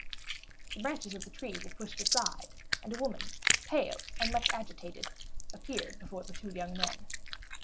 The branches of the tree were pushed aside, and a woman, pale and much agitated, appeared before the two young men.